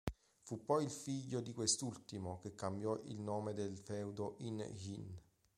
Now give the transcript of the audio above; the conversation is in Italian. Fu poi il figlio di quest'ultimo che cambiò il nome del feudo in Jin.